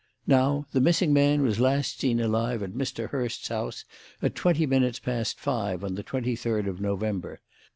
Now, the missing man was last seen alive at Mr. Hurst's house at twenty minutes past five on the twenty third of November.